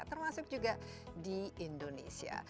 termasuk juga di indonesia